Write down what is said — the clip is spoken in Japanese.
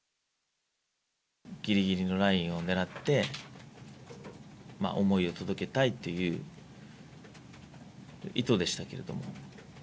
ぎりぎりのラインをねらって、思いを届けたいという意図でしたけれども。